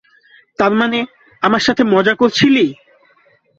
তার মানে, আমার সাথে মজা করছিলি?